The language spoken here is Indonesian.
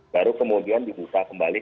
baru kemudian dibuka kembali